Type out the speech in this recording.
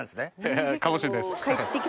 ハハっかもしれないです。